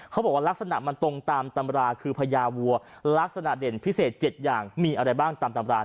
ลักษณะมันตรงตามตำราคือพญาวัวลักษณะเด่นพิเศษ๗อย่างมีอะไรบ้างตามตำรา